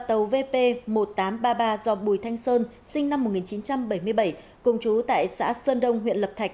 tàu vp một nghìn tám trăm ba mươi ba do bùi thanh sơn sinh năm một nghìn chín trăm bảy mươi bảy trú ở xã sơn đông huyện lập thái